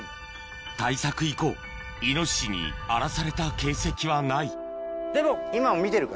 対策以降イノシシに荒らされた形跡はないでも。